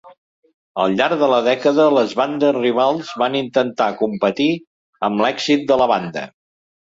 Al llarg de la dècada, les bandes rivals van intentar competir amb l'èxit de la banda.